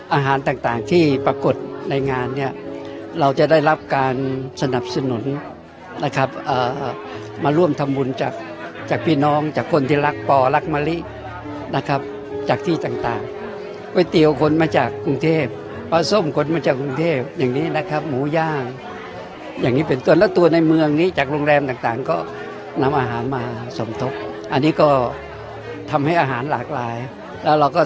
อาหารต่างที่ปรากฏในงานเนี่ยเราจะได้รับการสนับสนุนนะครับมาร่วมทำบุญจากจากพี่น้องจากคนที่รักปอรักมะลินะครับจากที่ต่างก๋วยเตี๋ยวคนมาจากกรุงเทพปลาส้มคนมาจากกรุงเทพอย่างนี้นะครับหมูย่างอย่างนี้เป็นต้นแล้วตัวในเมืองนี้จากโรงแรมต่างก็นำอาหารมาสมทบอันนี้ก็ทำให้อาหารหลากหลายแล้วเราก็